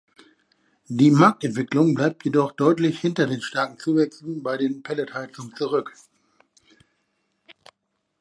Die Marktentwicklung bleibt jedoch deutlich hinter den starken Zuwächsen bei den Pelletheizungen zurück.